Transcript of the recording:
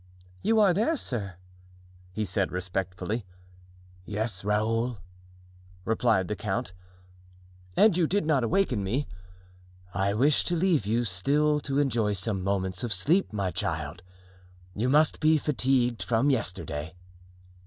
"You are there, sir?" he said, respectfully. "Yes, Raoul," replied the count. "And you did not awaken me?" "I wished to leave you still to enjoy some moments of sleep, my child; you must be fatigued from yesterday."